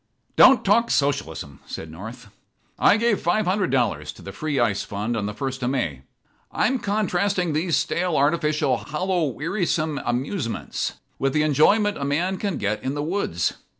"Don't talk Socialism," said North. "I gave five hundred dollars to the free ice fund on the first of May. I'm contrasting these stale, artificial, hollow, wearisome 'amusements' with the enjoyment a man can get in the woods.